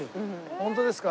本当ですか。